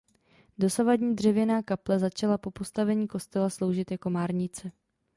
Dosavadní dřevěná kaple začala po postavení kostela sloužit jako márnice.